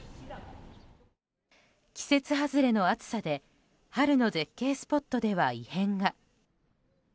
季節外れの暑さで春の絶景スポットでは異変が。